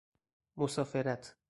مسافرت